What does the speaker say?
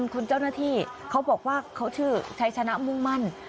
คุณเจ้าหน้าที่เขาบอกว่าเขาชื่อชัยชนะมุ่งมั่น